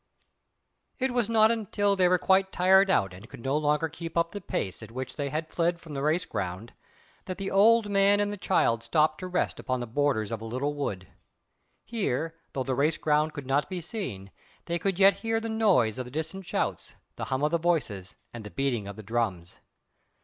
* It was not until they were quite tired out and could no longer keep up the pace at which they had fled from the race ground that the old man and the child stopped to rest upon the borders of a little wood. Here, though the race ground could not be seen, they could yet hear the noise of the distant shouts, the hum of the voices, and the beating of the drums.